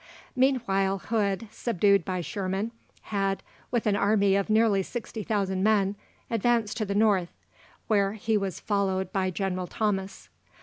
Meanwhile, Hood, subdued by Sherman, had, with an army of nearly 60,000 men, advanced to the North, where he was followed by General Thomas.